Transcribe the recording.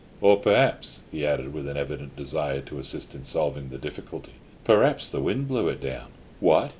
Or, perhaps," he added, with an evident desire to assist in solving the difficulty, "perhaps the wind blew it down." "What!"